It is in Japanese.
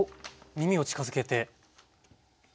耳を近づけて。